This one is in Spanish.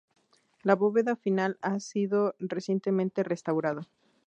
La bóveda final ha sido recientemente restaurada.